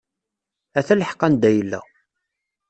Ata lḥeq anda yella.